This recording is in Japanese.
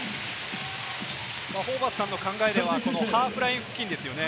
ホーバスさんの考えでは、ハーフライン付近ですよね。